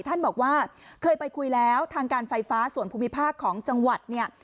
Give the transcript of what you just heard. ท่านบอกว่าเคยไปคุยแล้วทางการไฟฟ้าส่วนภูมิภาคของจังหวัดเนี่ย